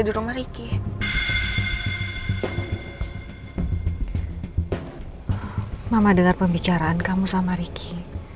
tapi saya ingin beri pandangan kepada ibu